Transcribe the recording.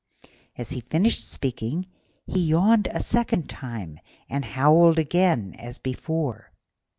As he finished speaking he yawned a second time and howled again as before.